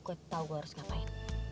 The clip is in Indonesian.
gue tau gue harus ngapain